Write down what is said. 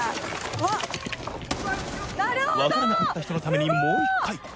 わからなかった人のためにもう１回。